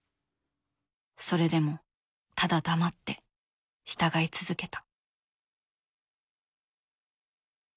それでもただ黙って従い続けた。